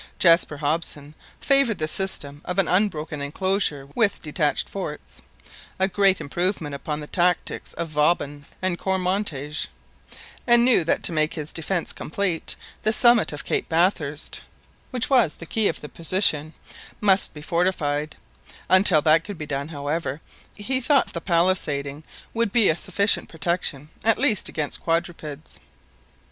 Jaspar Hobson favoured the system of an unbroken enclosure with detached forts (a great improvement upon the tactics of Vauban and Cormontaigne), and knew that to make his defence complete the summit of Cape Bathurst, which was the key of the position, must be fortified; until that could be done, however, he thought the palisading would be a sufficient protection, at least against quadrupeds.